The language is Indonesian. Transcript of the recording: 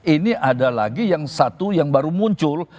ini ada lagi yang satu yang baru muncul